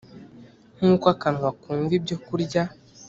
Nk uko akanwa kumva ibyokurya